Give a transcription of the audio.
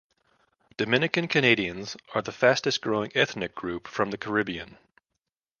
Dominican Canadians are the fastest growing ethnic group from the Caribbean.